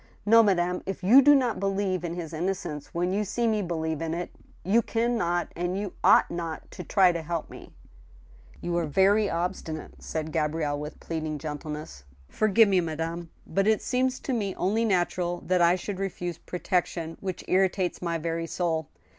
... No, madame, if you do not believe in his innocence when you see me believe in it, you can not and you ought not to try to help me !"" You are very obstinate !" said Gabrielle, with pleading gentle . ness. " Forgive me, madame. But it seems to me only natural that I should refuse protection which irritates my very soul.